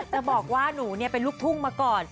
จะบอกว่าหนูเป็นลูกทุ่งมาก่อน